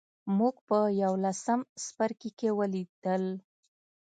موږ په یوولسم څپرکي کې ولیدل.